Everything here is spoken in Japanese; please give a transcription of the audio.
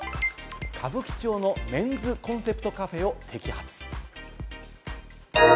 歌舞伎町のメンズコンセプトカフェを摘発。